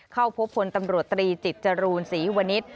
เข้าพบพลตำรวจตรีจิตจรูลศรีวนิษฐ์